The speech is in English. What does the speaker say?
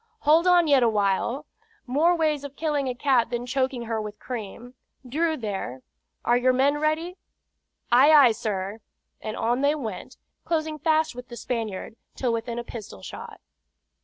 "Hold on yet awhile. More ways of killing a cat than choking her with cream. Drew, there, are your men ready?" "Ay, ay, sir!" and on they went, closing fast with the Spaniard, till within a pistol shot.